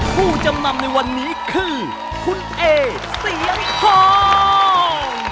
ผู้จำนำในวันนี้คือคุณเอเสียงทอง